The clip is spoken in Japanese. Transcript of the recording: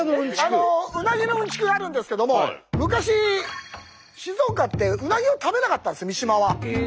うなぎのうんちくがあるんですけども昔静岡ってうなぎを食べなかったんです三島は。